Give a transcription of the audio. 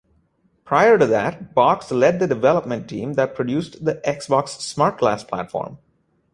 Prior to that, Box led the development team that produced the Xbox SmartGlass platform.